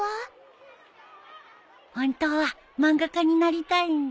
本当は漫画家になりたいんだ。